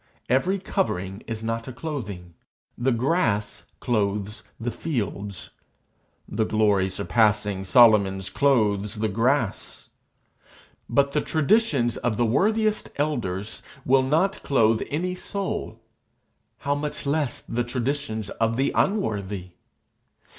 Every covering is not a clothing. The grass clothes the fields; the glory surpassing Solomon's clothes the grass; but the traditions of the worthiest elders will not clothe any soul how much less the traditions of the unworthy!